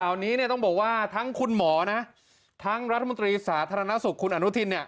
นี้เนี่ยต้องบอกว่าทั้งคุณหมอนะทั้งรัฐมนตรีสาธารณสุขคุณอนุทินเนี่ย